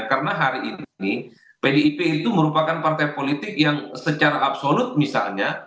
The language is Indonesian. karena hari ini pdip itu merupakan partai politik yang secara absolut misalnya